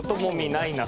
「ないな」